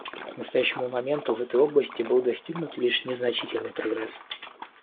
К настоящему моменту в этой области был достигнут лишь незначительный прогресс.